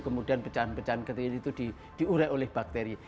kemudian pecahan pecahan kecil itu diurai oleh bakteri